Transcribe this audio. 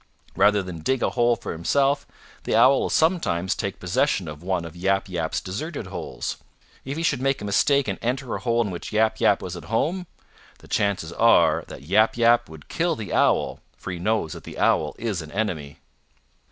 Rather than dig a hole for himself the Owl will sometimes take possession of one of Yap Yap's deserted holes. If he should make a mistake and enter a hole in which Yap Yap was at home, the chances are that Yap Yap would kill the Owl for he knows that the Owl is an enemy.